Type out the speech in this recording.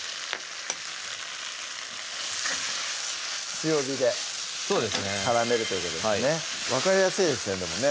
強火でからめるということですね分かりやすいですねでもね